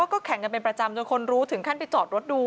ก็แข่งกันเป็นประจำจนคนรู้ถึงขั้นไปจอดรถดู